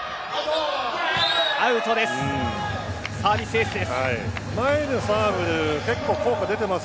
アウトです。